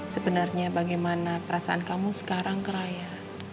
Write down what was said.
sebenarnya bagaimana perasaan kamu sekarang ke raya